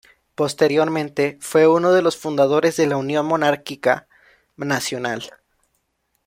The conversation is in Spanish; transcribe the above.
Posteriormente fue uno de los fundadores de la Unión Monárquica Nacional.